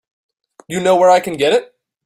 You know where I can get it?